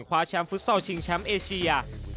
คว้าแชมป์ฟุตซอลชิงแชมป์เอเชีย